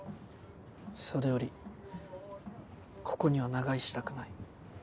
それよりここには長居したくない。